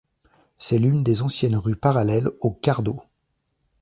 C'est l'une des anciennes rue parallèle au cardo.